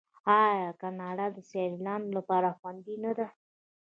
آیا کاناډا د سیلانیانو لپاره خوندي نه ده؟